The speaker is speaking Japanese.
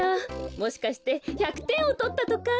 もしかして１００てんをとったとか？